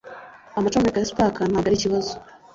Amacomeka ya spark ntabwo arikibazo.